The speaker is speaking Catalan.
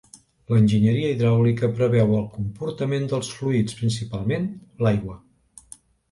L'enginyeria hidràulica preveu el comportament dels fluids, principalment l'aigua.